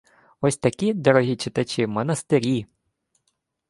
Ось такі, дорогі читачі, монастирі!